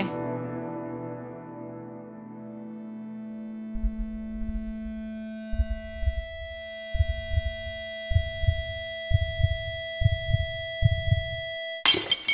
สวัสดีครับทุกคน